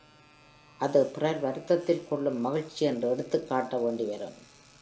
அது பிறர் வருத்தத்தில் கொள்ளும் மகிழ்ச்சி என்று எடுத்துக் காட்ட வேண்டிவரும்.